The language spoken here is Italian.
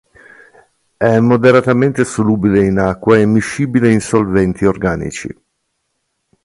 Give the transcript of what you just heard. È moderatamente solubile in acqua e miscibile in solventi organici.